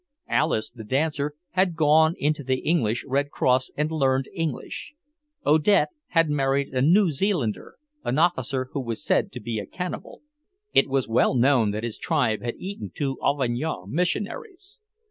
Alice, the dancer, had gone into the English Red Cross and learned English. Odette had married a New Zealander, an officer who was said to be a cannibal; it was well known that his tribe had eaten two Auvergnat missionaries.